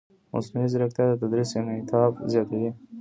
مصنوعي ځیرکتیا د تدریس انعطاف زیاتوي.